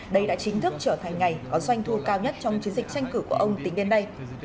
đây đã chính thức trở thành ngày có doanh thu cao nhất trong chiến dịch tranh cử của ông tính đến nay